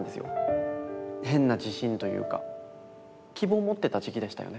変な自信というか希望を持ってた時期でしたよね